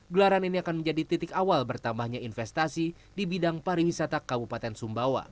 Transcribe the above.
gelaran ini akan menjadi titik awal bertambahnya investasi di bidang pariwisata kabupaten sumbawa